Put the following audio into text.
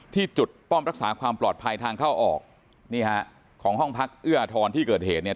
ที่จุดป้อมรักษาความปลอดภัยทางเข้าออกนี่ฮะของห้องพักเอื้ออทรที่เกิดเหตุเนี่ย